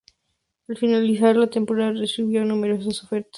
Al finalizar la temporada recibió numerosas ofertas.